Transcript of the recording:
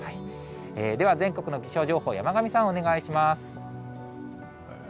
では、全国の気象情報、山神さん、お願いします。